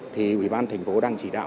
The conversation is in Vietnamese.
thì ubnd đang chỉ đạo